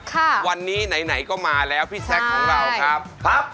ค่ะวันนี้ไหนก็มาแล้วพี่แซคของเราครับ